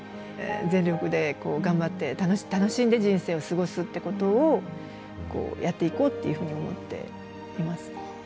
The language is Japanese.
全力で頑張って楽しんで人生を過ごすってことをやっていこうっていうふうに思っています。